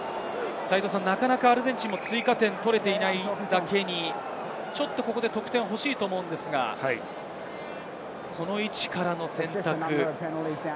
なかなかアルゼンチンも追加点が取れていないだけに、ちょっと、ここで得点が欲しいと思うのですが、この位置からの選択。